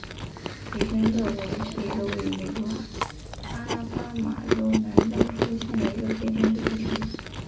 培根勒韦是一个位于美国阿拉巴马州兰道夫县的非建制地区。